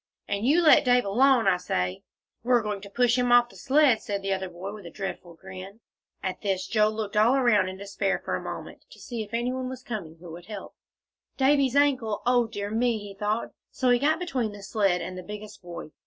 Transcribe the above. "And you let Dave alone, I say." "We're going to push him off th' sled," said the other boy, with a dreadful grin. At this Joel looked all around in despair for a moment to see if any one was coming who would help. "Davie's ankle. O dear me!" he thought. So he got between the sled and the biggest boy.